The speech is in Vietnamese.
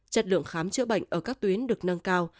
chất lượng khám chữa bệnh ở các tuyến được nâng cao